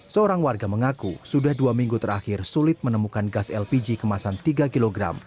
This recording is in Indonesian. seorang warga mengaku sudah dua minggu terakhir sulit menemukan gas lpg kemasan tiga kg